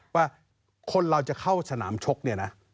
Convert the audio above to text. ว่าคนเราจะเข้าสนามชกเนี่ยนะ